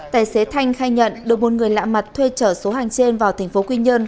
tài xế thanh khai nhận được một người lạ mặt thuê trở số hàng trên vào tp quy nhơn